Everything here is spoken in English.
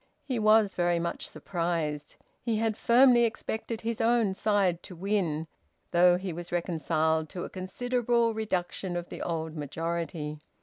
He was very much surprised. He had firmly expected his own side to win, though he was reconciled to a considerable reduction of the old majority.